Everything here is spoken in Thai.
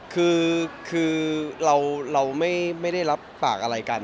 คือเราไม่ได้รับปากอะไรกัน